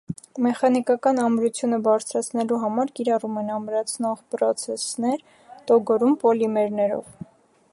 Մեխանիկական ամրությունը բարձրացնելու համար կիրառում են ամրացնող պրոցեսներ՝ տոգորում պոլիմերներով։